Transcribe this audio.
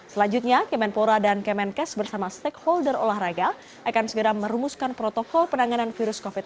selanjutnya kemenpora dan kemenkes bersama stakeholder olahraga akan segera merumuskan protokol penanganan virus covid sembilan belas